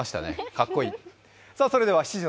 かっこいい。